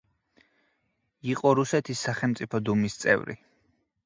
იყო რუსეთის სახელმწიფო დუმის წევრი.